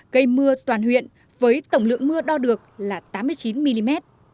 gây mưa toàn huyện với tổng lượng mưa đo được là tám mươi chín mm